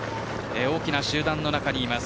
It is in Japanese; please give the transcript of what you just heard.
大きな集団の中にいます。